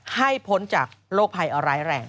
พ้นจากโรคภัยร้ายแรง